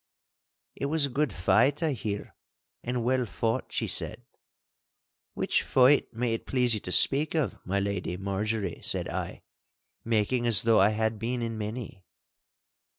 'It was a good fight, I hear, and well fought,'she said. 'Which fight may it please you to speak of, my Lady Marjorie?' said I, making as though I had been in many.